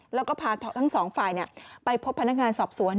แล้วก็พาทั้งสองฝ่ายไปพบพนักงานสอบสวน